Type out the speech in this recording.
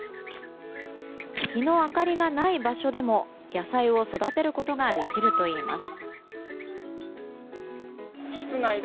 日の明かりがない場所でも野菜を育てることができるといいます。